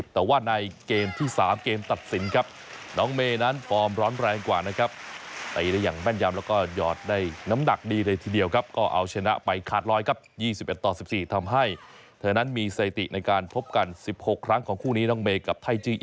แต่ว่าในเกมที่๓เกมตัดสินครับน้องเมย์นั้นฟอร์มร้อนแรงกว่านะครับ